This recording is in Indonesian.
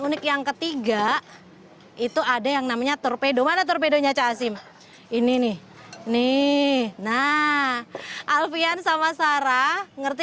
iga itu ada yang namanya torpedo mana torpedo hai ini nih nih nah alfian sama sarah ngerti